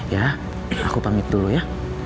ya aku pamit dulu ya